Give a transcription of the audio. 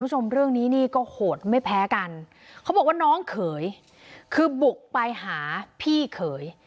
คุณผู้ชมเรื่องนี้นี่ก็โหดไม่แพ้กันเขาบอกว่าน้องเขยคือบุกไปหาพี่เขย